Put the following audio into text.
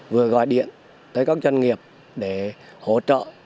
có bệnh viện tới các doanh nghiệp để hỗ trợ